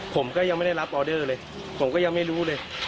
ผมก็ยังไม่ได้รับออเดอร์เลยผมก็ยังไม่รู้เลย